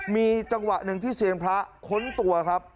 มีจังหวะหนึ่งที่เซียนพระค้นตัวครับ